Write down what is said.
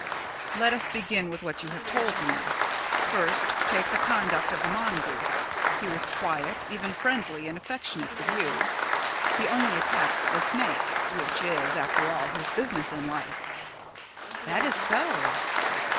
"Let us begin with what you have told me. First take the conduct of the mongoose. He was quiet, even friendly and affectionate with you. He only attacked the snakes, which is, after all, his business in life." "That is so!"